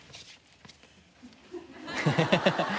ハハハハ。